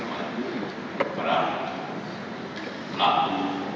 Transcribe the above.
dan para pelaku